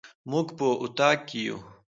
موږ په اطاق کي يو